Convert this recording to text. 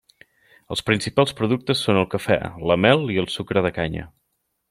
Els principals productes són el cafè, la mel i el sucre de canya.